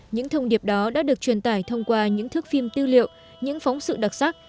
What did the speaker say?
những thông điệp đó đã được truyền tải thông qua những thước phim tư liệu những phóng sự đặc sắc